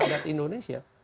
bahwa hukum adat indonesia